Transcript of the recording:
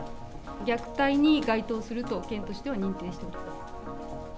虐待に該当すると県としては認定しております。